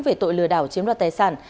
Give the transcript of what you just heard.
bộ lừa đảo chiếm đoạt tài sản